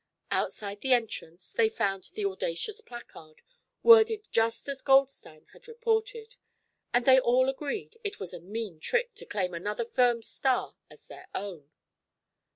Outside the entrance they found the audacious placard, worded just as Goldstein had reported, and they all agreed it was a mean trick to claim another firm's star as their own.